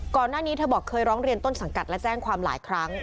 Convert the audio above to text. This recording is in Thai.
ก่อนหน้านี้เธอบอกเคยร้องเรียนต้นสังกัดและแจ้งความหลายครั้ง